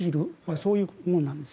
そういうものなんです。